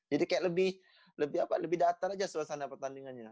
jadi kayak lebih datar aja suasana pertandingannya